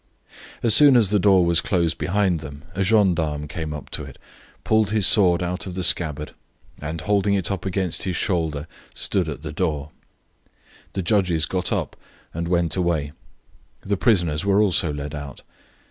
As soon as the door was closed behind them a gendarme came up to it, pulled his sword out of the scabbard, and, holding it up against his shoulder, stood at the door. The judges got up and went away. The prisoners were also led out.